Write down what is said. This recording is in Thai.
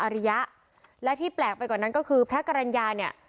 ริยะและที่แปลกไปกว่านั้นก็คือพระกรรณญาเนี่ย